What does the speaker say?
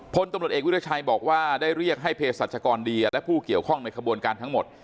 พลตำรวจเอกวิทยาชัยบอกว่าได้เรียกให้เพศรัชกรเดียและผู้เกี่ยวข้องในขบวนการทั้งหมด